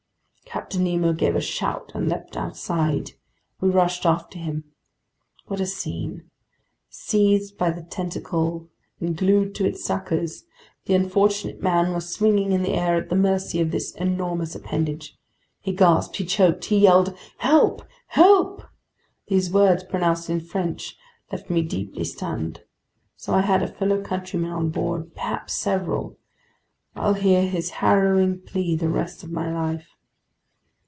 Captain Nemo gave a shout and leaped outside. We rushed after him. What a scene! Seized by the tentacle and glued to its suckers, the unfortunate man was swinging in the air at the mercy of this enormous appendage. He gasped, he choked, he yelled: "Help! Help!" These words, pronounced in French, left me deeply stunned! So I had a fellow countryman on board, perhaps several! I'll hear his harrowing plea the rest of my life!